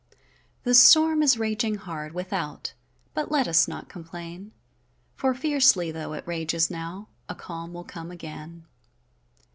The storm is raging hard, without; But let us not complain, For fiercely tho' it rages now, A calm will come again.